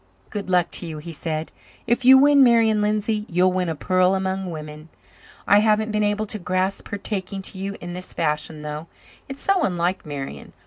"Good luck to you," he said. "If you win Marian Lindsay you'll win a pearl among women. I haven't been able to grasp her taking to you in this fashion, though. It's so unlike Marian.